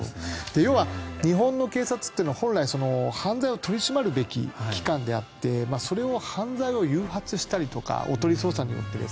要は日本の警察というのは本来犯罪を取り締まるべき機関であって犯罪を誘発したりとかおとり捜査によって。